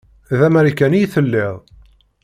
D amarikani i telliḍ.